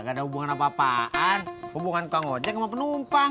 gak ada hubungan apa apaan hubungan tukang ojek sama penumpang